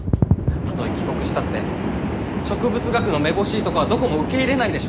たとえ帰国したって植物学のめぼしいとこはどこも受け入れないでしょ！？